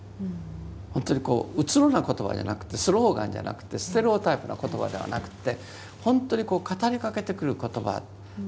本当にうつろな言葉じゃなくてスローガンじゃなくてステレオタイプな言葉ではなくって本当にこう語りかけてくる言葉。